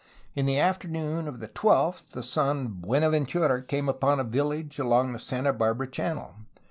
'' In the afternoon of the 12th the San Buenaventura came upon a village along the Santa Barbara Channel.